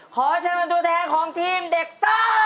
ขอเชิญตัวแทนของทีมเด็กซ่า